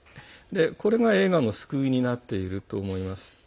これが映画の救いになっていると思います。